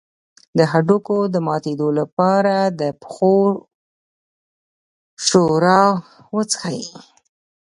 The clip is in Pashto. د هډوکو د ماتیدو لپاره د پښو ښوروا وڅښئ